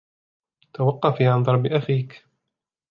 توقفي عن ضرب أخيكِ.